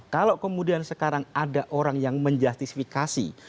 kalau kemudian sekarang ada orang yang menjustifikasi